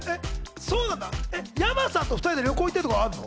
山さんと２人で旅行行ったりとかあるの？